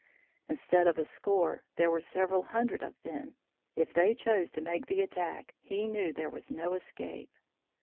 Instead of a score there were several hundred of them: if they chose to make the attack he knew there was no escape.